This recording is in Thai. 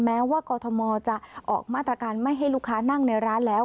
แม้ว่ากรทมจะออกมาตรการไม่ให้ลูกค้านั่งในร้านแล้ว